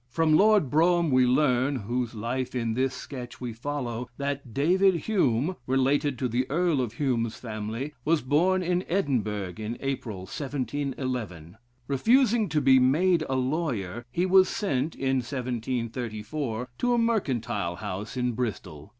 From Lord Brougham we learn (whose life in this sketch we follow) that David Hume, related to the Earl of Hume's family, was born in Edinburgh, in April, 1711. Refusing to be made a lawyer, he was sent, in 1734, to a mercantile house in Bristol.